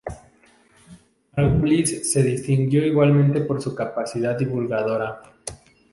Margulis se distinguió igualmente por su capacidad divulgadora.